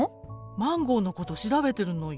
マンゴーのこと調べてるのよ。